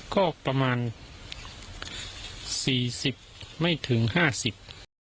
ก็ประมาณสี่สิบไม่ถึงห้าสิบ